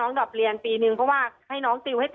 ตอนที่จะไปอยู่โรงเรียนนี้แปลว่าเรียนจบมไหนคะ